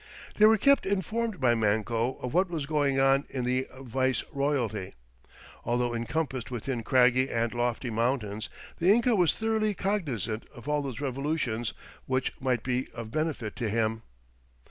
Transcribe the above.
They were kept informed by Manco of what was going on in the viceroyalty. Although "encompassed within craggy and lofty mountains," the Inca was thoroughly cognizant of all those "revolutions" which might be of benefit to him.